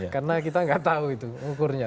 karena kita tidak tahu itu ukurnya